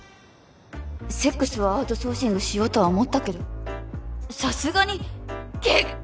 セックスはアウトソーシングしようとは思ったけどさすがに結婚！？